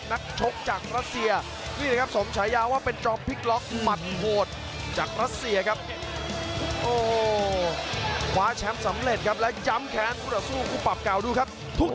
นี่ครับก่อไหนเด้งตีครับ